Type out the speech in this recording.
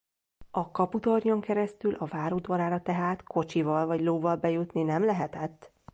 A kaputornyon keresztül a vár udvarára tehát kocsival vagy lóval bejutni nem lehetett.